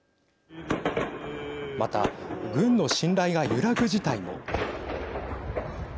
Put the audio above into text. また軍の信頼が揺らぐ事態も。